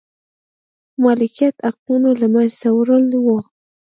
مالکیت حقونو له منځه وړل و.